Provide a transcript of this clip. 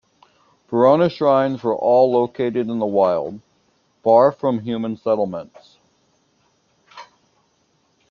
Ferona's shrines were all located in the wild, far from human settlements.